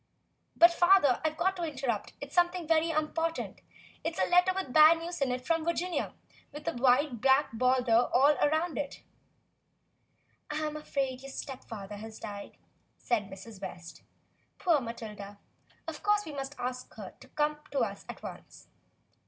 "But, father, I've got to interrupt; it's something very important; it's a letter with bad news in it from Virginia with a wide black border all round it." "I'm afraid your stepfather has died," said Mrs. West. "Poor Matilda. Of course we must ask her to come to us at once."